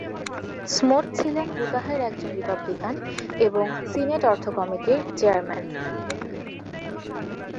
Smoot ছিলেন উটাহের একজন রিপাবলিকান এবং সিনেট অর্থ কমিটির চেয়ারম্যান।